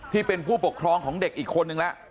ที่เป็นผู้ปกครองของเด็กอีกคนนึงแล้ว